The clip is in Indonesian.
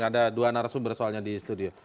ada dua narasumber soalnya di studio